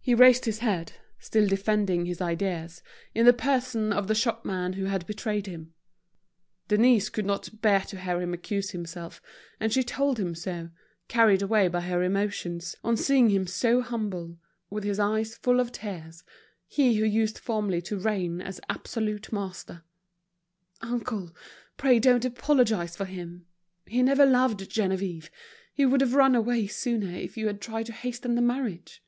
He raised his head, still defending his ideas, in the person of the shopman who had betrayed him. Denise could not bear to hear him accuse himself, and she told him so, carried away by her emotion, on seeing him so humble, with his eyes full of tears, he who used formerly to reign as absolute master. "Uncle, pray don't apologize for him. He never loved Geneviève, he would have run away sooner if you had tried to hasten the marriage.